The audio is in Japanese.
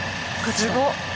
すごっ！